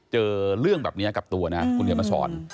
เจอเรื่องแบบนี้กับตัวนะคุณเขียนมาสอน